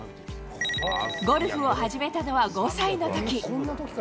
ゴルフを始めたのは５歳のとき。